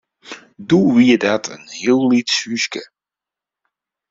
Doe wie dat in heel lyts húske.